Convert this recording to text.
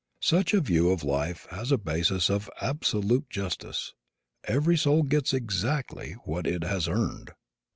Such a view of life has a basis of absolute justice. Every soul gets exactly what it has earned.